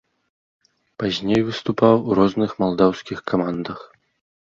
Пазней выступаў у розных малдаўскіх камандах.